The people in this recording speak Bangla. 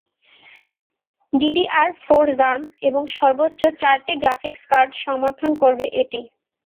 ডিডিআর ফোর র্যাম এবং সর্বোচ্চ চারটি গ্রাফিকস কার্ড সমর্থন করবে এটি।